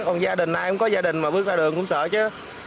còn gia đình ai cũng có gia đình mà bước ra đường cũng sợ chứ